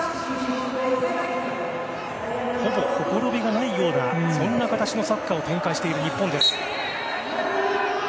ほぼほころびがないようなそんな感じのサッカーを展開している日本です。